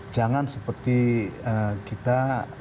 jangan seperti kita